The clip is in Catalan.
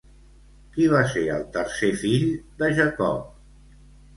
Qui va ser el tercer fill de Jacob?